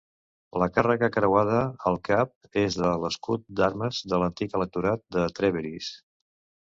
La càrrega creuada al cap és de l'escut d'armes de l'antic Electorat de Trèveris.